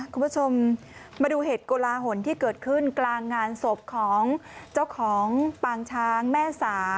คุณผู้ชมมาดูเหตุโกลาหลที่เกิดขึ้นกลางงานศพของเจ้าของปางช้างแม่สา